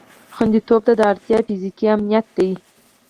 خوندیتوب ته اړتیا فیزیکي امنیت ده.